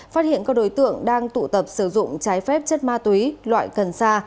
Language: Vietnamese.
phát hiện các đối tượng đang tụ tập sử dụng trái phép chất ma túy loại cần sa